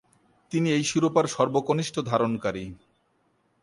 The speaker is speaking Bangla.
তিনি এই শিরোপার সর্বকনিষ্ঠ ধারণকারী।